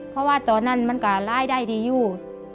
เพราะว่าตอนนั้นมันก็ร้ายได้ดีอยู่